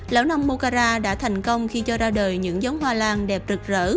lão nông moncara đã thành công khi cho ra đời những giống hoa lan đẹp rực rỡ